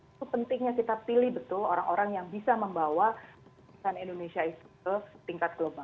itu pentingnya kita pilih betul orang orang yang bisa membawa keputusan indonesia itu ke tingkat global